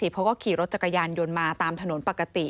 เขาก็ขี่รถจักรยานยนต์มาตามถนนปกติ